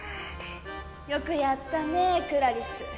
よくやったねクラリス。